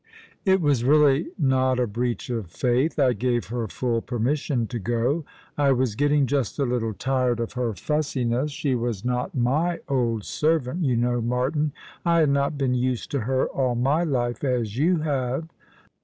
" It was really not a breach of faith. I gave her full per mission to go. I was getting just a little tired of her fussi 92 All along the River. ncFs. She was not my old servant, you know, Martin. I had not been used to her all my life, as you have."